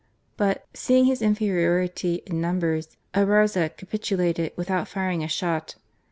But, seeing his inferiority in numbers, Ayarza capitulated without firing a shot.